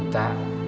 ini sudah lima juta